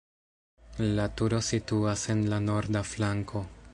La turo situas en la norda flanko.